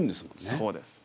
そうです。